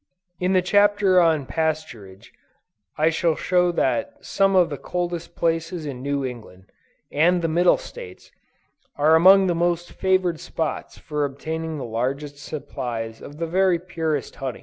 In the chapter on Pasturage, I shall show that some of the coldest places in New England, and the Middle States, are among the most favored spots for obtaining the largest supplies of the very purest honey.